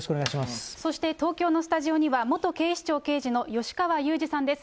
そして東京のスタジオには元警視庁刑事の吉川祐二さんです。